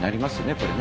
これね。